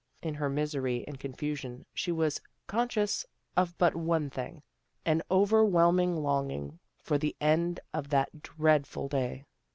In her misery and confusion she was conscious of but one thing, an overwhelm ing longing for the end of that dreadful day.